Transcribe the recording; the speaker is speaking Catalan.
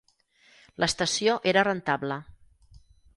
L'estació era rentable.